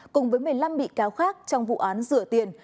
cùng với một mươi năm bị cáo khác trong vụ án rửa tiền